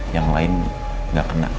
yang lain gak kena